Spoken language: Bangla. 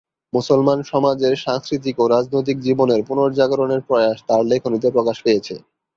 মুসলমান সমাজের সাংস্কৃতিক ও রাজনৈতিক জীবনের পুনর্জাগরণের প্রয়াস তার লেখনীতে প্রকাশ পেয়েছে।